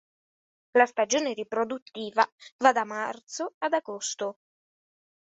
La stagione riproduttiva va da marzo ad agosto.